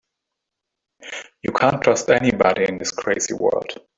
You can't trust anybody in this crazy world.